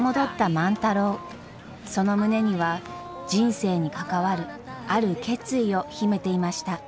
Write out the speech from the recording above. その胸には人生に関わるある決意を秘めていました。